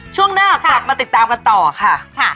ช่วงหน้ากลับมาติดตามกันต่อค่ะ